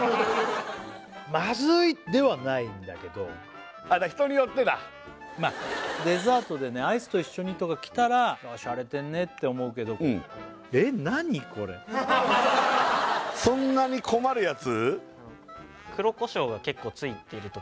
まずいではないんだけど人によってだデザートでねアイスと一緒にとか来たらしゃれてんねって思うけどそんなに困るやつ？